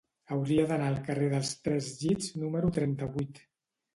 Hauria d'anar al carrer dels Tres Llits número trenta-vuit.